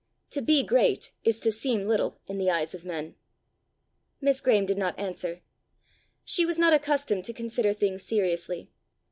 To be great is to seem little in the eyes of men." Miss Graeme did not answer. She was not accustomed to consider things seriously.